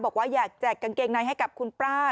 บอกว่าอยากแจกกางเกงในให้กับคุณป้า